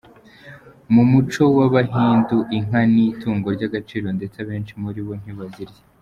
Mu muco w’Abahindu inka ni itungo ry’agaciro ndetse abenshi muri bo ntibazirya.